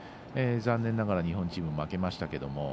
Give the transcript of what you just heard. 残念ながら日本チーム負けましたけれども。